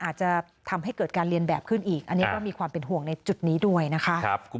อาจจะทำให้เกิดการเรียนแบบขึ้นอีกอันนี้ก็มีความเป็นห่วงในจุดนี้ด้วยนะคะ